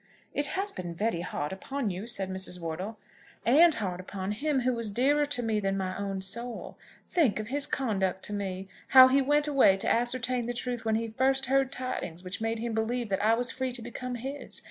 "It has been very hard upon you," said Mrs. Wortle. "And hard upon him, who is dearer to me than my own soul. Think of his conduct to me! How he went away to ascertain the truth when he first heard tidings which made him believe that I was free to become his!